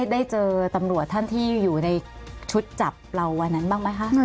ได้เจอตำรวจท่านที่อยู่ในชุดจับเราวันนั้นบ้างไหมคะ